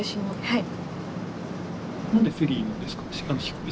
はい。